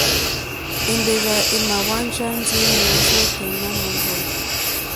Èmbèrzà èmà hwánjá ndí mòrzô tɛ́ nà mòrzô.